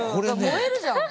燃えるじゃん。